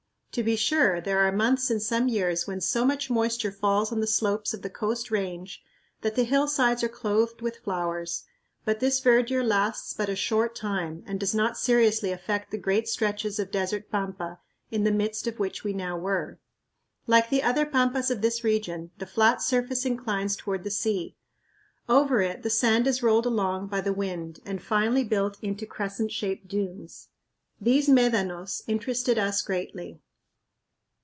To be sure, there are months in some years when so much moisture falls on the slopes of the coast range that the hillsides are clothed with flowers, but this verdure lasts but a short time and does not seriously affect the great stretches of desert pampa in the midst of which we now were. Like the other pampas of this region, the flat surface inclines toward the sea. Over it the sand is rolled along by the wind and finally built into crescent shaped dunes. These médanos interested us greatly.